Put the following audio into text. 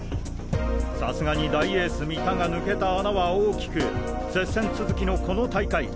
さすがに大エース三田が抜けた穴は大きく接戦続きのこの大会